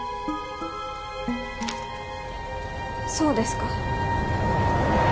そうですか。